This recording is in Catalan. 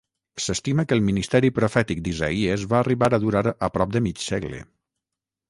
S'estima que el ministeri profètic d'Isaïes va arribar a durar a prop de mig segle.